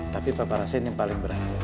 tapi papa rasain yang paling berat